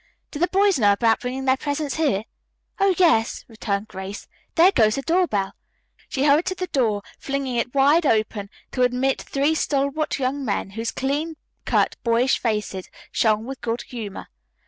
"Do the boys know about bringing their presents here?" "Oh, yes," returned Grace. "There goes the door bell!" She hurried to the door, flinging it wide open to admit three stalwart young men whose clean cut, boyish faces shone with good humor.